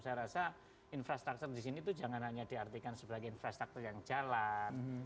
saya rasa infrastruktur disini tuh jangan hanya diartikan sebagai infrastruktur yang jalan